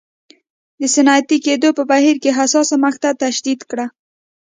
د صنعتي کېدو په بهیر کې حساسه مقطعه تشدید کړه.